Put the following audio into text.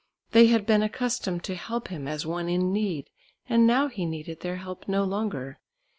They had been accustomed to help him as one in need and now he needed their help no longer.